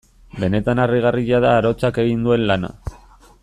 Benetan harrigarria da arotzak egin duen lana.